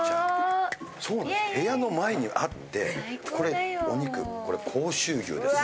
部屋の前にあってこれお肉甲州牛です。